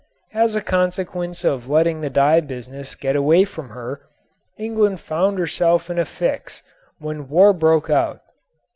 As a consequence of letting the dye business get away from her, England found herself in a fix when war broke out.